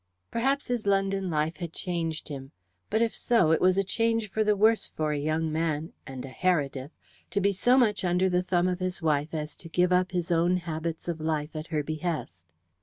Perhaps his London life had changed him, but if so, it was a change for the worse for a young man, and a Heredith, to be so much under the thumb of his wife as to give up his own habits of life at her behest.